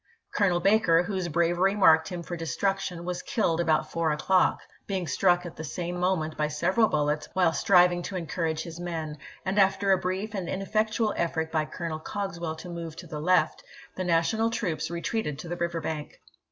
Colonel Baker, whose bravery marked him for destruction, was killed about four o'clock, being struck at the same moment by several bullets while striving to en courage his men, and after a brief and ineffectual effort by Colonel Cogswell to move to the left, the National troops retreated to the river bank.